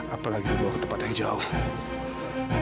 apalagi membawa ke tempat yang jauh